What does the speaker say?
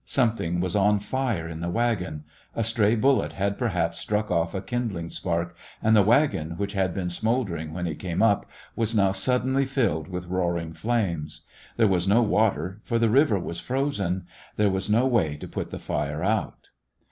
Something was on fire in the wagon. A stray bullet had per haps struck off a kindling spark and the wagon, which had been smoulder ing when he came up, was now suddenly filled with roaring flames. There was no water, for the river was frozen. There was no way to put the fire out.